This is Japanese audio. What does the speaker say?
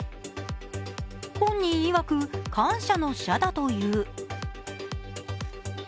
本人いわく感謝の「謝」だという。